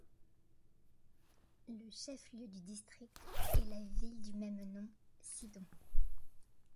Le chef lieu du district est la ville du même nom, Sidon.